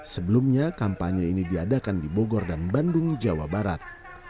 sebelumnya kampanye ini diadakan di bogor dan bandung jawa barat